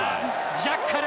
ジャッカル！